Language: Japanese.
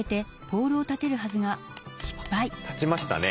立ちましたね。